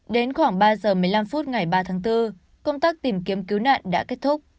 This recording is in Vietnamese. đến khoảng ba giờ một mươi năm phút ngày ba tháng bốn công tác tìm kiếm cứu nạn đã kết thúc